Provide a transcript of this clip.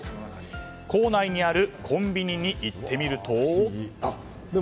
校内にあるコンビニに行ってみると。